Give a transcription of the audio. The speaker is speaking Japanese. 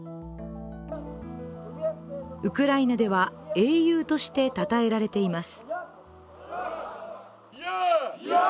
ウクライナでは英雄としてたたえられています。